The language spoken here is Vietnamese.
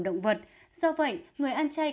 động vật do vậy người ăn chay